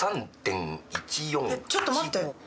ちょっと待って。